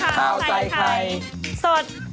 สวัสดีสุด